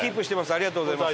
ありがとうございます。